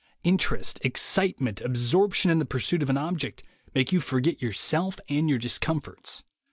Interest, excitement, absorption in the pursuit of an object, make you forget yourself and your dis comforts.